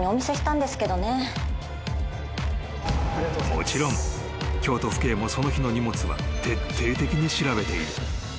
［もちろん京都府警もその日の荷物は徹底的に調べている］